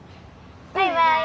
バイバーイ！